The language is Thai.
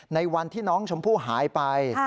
ในวันที่น้องชมพู่หายไป